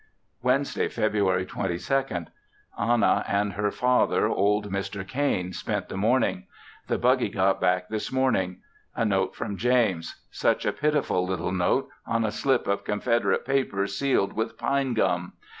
Wednesday, February 22nd. Anna and her father old Mr. Cain spent the morning. The buggy got back this morning. A note from James. Such a pitiful little note, on a slip of Confederate paper sealed with pine gum!